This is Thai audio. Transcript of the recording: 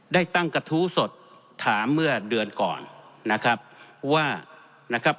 ได้ตั้งกระทู้สดถามเมื่อเดือนก่อนนะครับว่านะครับ